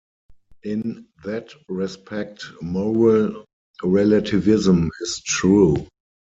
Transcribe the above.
In that respect, moral relativism is true.